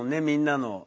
みんなの。